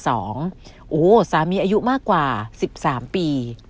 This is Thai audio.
โอ้โหสามีอายุมากกว่า๑๓ปี